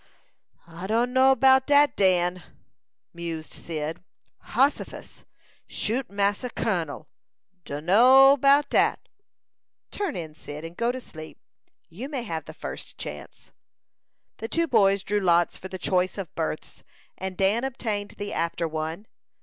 "I dunno 'bout dat, Dan," mused Cyd. "Hossifus! Shoot Massa Kun'l! Dunno 'bout dat." "Turn in, Cyd, and go to sleep. You may have the first chance." The two boys drew lots for the choice of berths, and Dan obtained the after one.